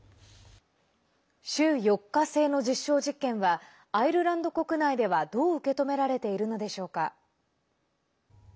週４日制の実証実験はアイルランド国内ではどう受け止められているのでしょうか。